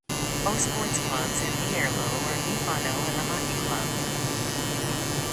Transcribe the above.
Sports clubs in Mierlo are Mifano and the Hockey Club.